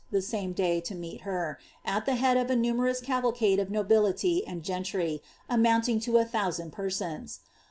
the same day, to meet her, at the head of i numerous cavalcade of nobility and gentry, amounting to a thou5a:ni persons.